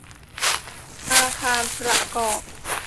อาคารประกอบ